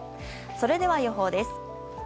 それでは予報です。